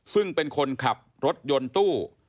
ซึ่งเป็นคนขับรถยนต์ตู้